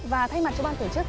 và thay mặt cho ban tổ chức